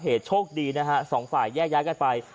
เหตุโชคดีนะฮะสองฝ่ายแยกกันไป